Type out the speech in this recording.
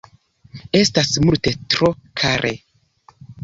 Estas multe tro kare.